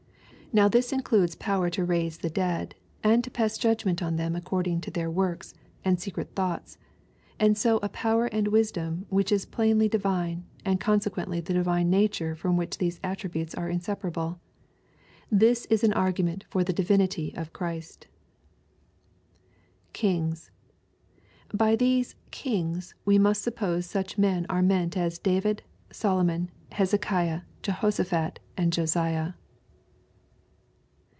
Now this includes power to raise tibe dead, and to pass judgment on them according to their works, and secret thoughts, and so a power and wisdom which is plainly divine, and consequently the divine nature from which these attributes are inseparable This is an argument for the divinity of Christ I" [Kmgs.] By these *^ kings" we must suppose such men are meant as David, Solomon, Hezekiah, Jehoshaphat^ and Josiah.